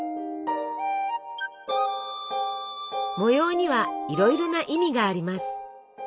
模様にはいろいろな意味があります。